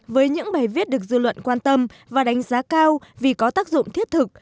với những bài viết được dư luận quan tâm và đánh giá cao vì có tác dụng thiết thực